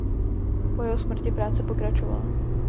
Po jeho smrti práce pokračovala.